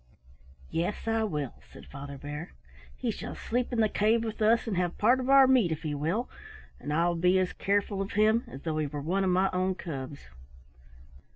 "Yes, I will," said Father Bear. "He shall sleep in the cave with us and have part of our meat if he will, and I will be as careful of him as though he were one of my own cubs."